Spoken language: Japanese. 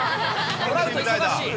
トラウト、忙しい。